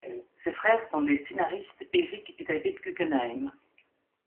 Ses frères sont les scénaristes Eric et David Guggenheim.